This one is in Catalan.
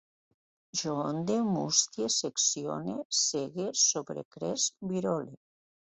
Jo onde, mustie, seccione, segue, sobrecresc, virole